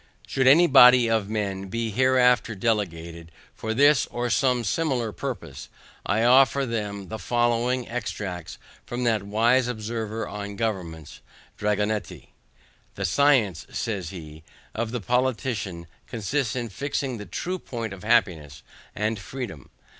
Should any body of men be hereafter delegated for this or some similar purpose, I offer them the following extracts from that wise observer on governments DRAGONETTI. "The science" says he "of the politician consists in fixing the true point of happiness and freedom.